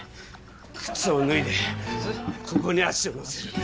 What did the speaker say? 靴を脱いでここに足を載せるんだ。